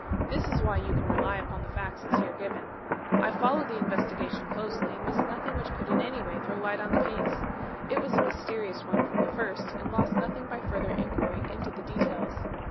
This is why you can rely upon the facts as here given. I followed the investigation closely and missed nothing which could in any way throw light on the case. It was a mysterious one from the first, and lost nothing by further inquiry into the details.